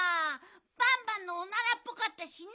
バンバンのオナラっぽかったしね！